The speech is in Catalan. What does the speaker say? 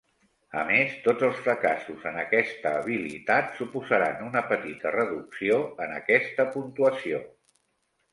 A més, tots els fracassos en aquesta habilitat suposaran una petita reducció en aquesta puntuació.